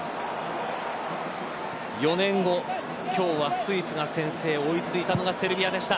４年後、今日はスイスが先制追いついたのがセルビアでした。